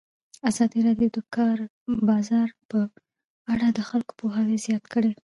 ازادي راډیو د د کار بازار په اړه د خلکو پوهاوی زیات کړی.